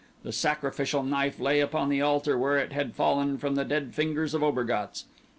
The sacrificial knife lay upon the altar where it had fallen from the dead fingers of Obergatz.